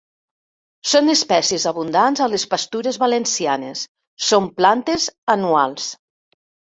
Són espècies abundants a les pastures valencianes. Són plantes anuals.